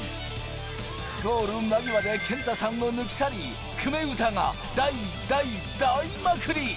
ゴール間際でけんたさんを抜き去り、久米詩が大、大、大まくり！